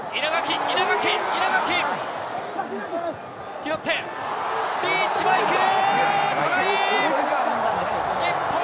拾ってリーチ・マイケル！